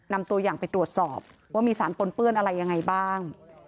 นำตัวอย่างไปตรวจสอบว่ามีสารปนเปื้อนอะไรยังไงบ้าง